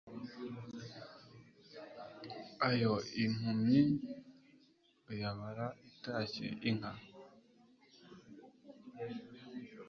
Ayo impumyi uyabara itashye inka.